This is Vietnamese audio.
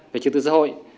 về trực tự xã hội